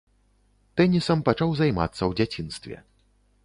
Тэнісам пачаў займацца ў дзяцінстве.